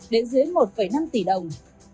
đến dưới một năm tỷ đồng